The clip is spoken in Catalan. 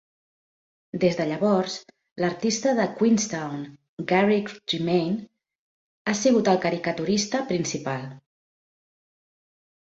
Des de llavors, l'artista de Queenstown, Garrick Tremain, ha sigut el caricaturista principal.